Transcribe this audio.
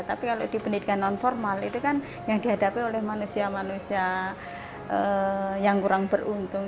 tapi kalau di pendidikan non formal itu kan yang dihadapi oleh manusia manusia yang kurang beruntung